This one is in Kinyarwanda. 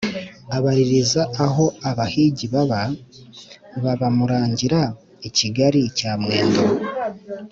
abaririza aho abahigi baba. Babamurangira i Kigali cya Mwendo.